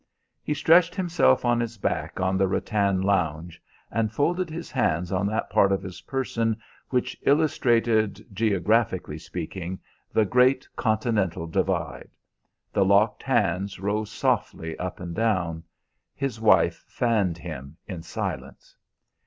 He stretched himself on his back on the rattan lounge, and folded his hands on that part of his person which illustrated, geographically speaking, the great Continental Divide. The locked hands rose softly up and down. His wife fanned him in silence.